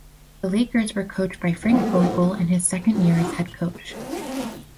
The Lakers were coached by Frank Vogel in his second year as head coach.